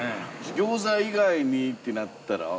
餃子以外にってなったら？